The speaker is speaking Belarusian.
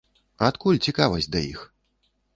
Адкуль цікавасць да іх?